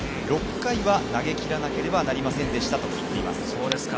６回は投げ切らなければなりませんでしたと言っています。